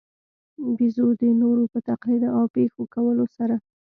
بېزو د نورو په تقلید او پېښو کولو سره.